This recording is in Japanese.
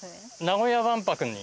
名古屋万博に。